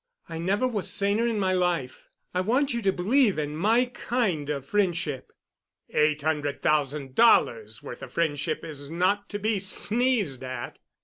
"I never was saner in my life. I want you to believe in my kind of friendship." "Eight hundred thousand dollars' worth of friendship is not to be sneezed at."